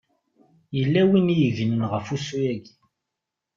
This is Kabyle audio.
Yella win i yegnen ɣef ussu-yaki.